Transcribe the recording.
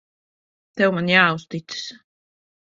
Tev man jāuzticas.